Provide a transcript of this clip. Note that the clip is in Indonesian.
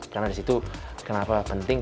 karena di situ kenapa penting